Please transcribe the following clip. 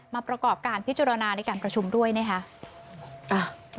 ประกอบการพิจารณาในการประชุมด้วยนะคะ